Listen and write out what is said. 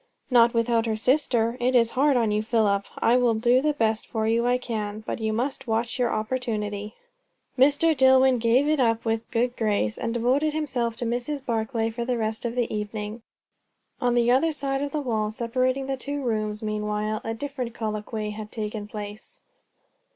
"Not without her sister. It is hard on you, Philip! I will do the best for you I can; but you must watch your opportunity." Mr. Dillwyn gave it up with a good grace, and devoted himself to Mrs. Barclay for the rest of the evening. On the other side of the wall separating the two rooms, meanwhile a different colloquy had taken place.